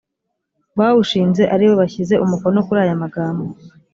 bawushinze aribo bashyize umukono kuri ayamagambo